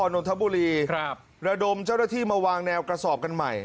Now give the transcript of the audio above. นนทบุรีครับระดมเจ้าหน้าที่มาวางแนวกระสอบกันใหม่